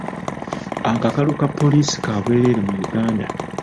Akakalu ka poliisi ka bwereere mu Uganda.